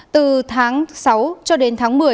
từ tháng sáu cho đến tháng một mươi